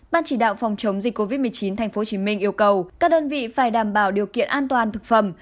ban chỉ đạo phòng chống dịch covid một mươi chín tp hcm yêu cầu các đơn vị phải đảm bảo điều kiện an toàn thực phẩm